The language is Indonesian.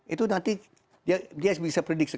itu nanti dia bisa prediksi